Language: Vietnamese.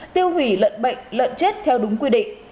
tiêu hủy lợn bệnh lợn chết theo đúng quy định